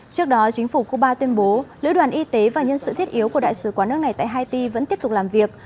trước đó chính phủ cuba tuyên bố lữ đoàn y tế và nhân sự thiết yếu của đại sứ quán nước này tại haiti vẫn tiếp tục làm việc